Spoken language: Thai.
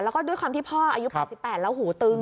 แล้วก็ด้วยความที่พ่ออายุ๘๘แล้วหูตึง